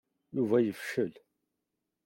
Yuba yefcel.